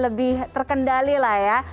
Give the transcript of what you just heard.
lebih terkendali lah ya